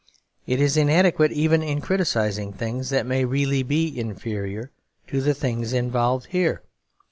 It is inadequate even in criticising things that may really be inferior to the things involved here.